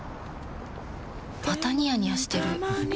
またニヤニヤしてるふふ。